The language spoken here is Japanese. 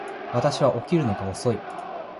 私は起きるのが遅い